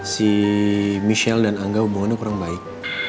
si michelle dan angga hubungannya kurang baik